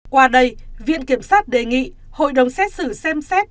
qua đây viện kiểm sát đề nghị hội đồng xét xử xem xét